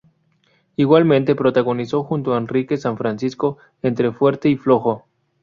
Igualmente protagonizó junto a Enrique San Francisco "Entre fuerte y flojo".